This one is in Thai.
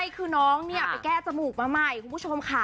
คือน้องเนี่ยไปแก้จมูกมาใหม่คุณผู้ชมค่ะ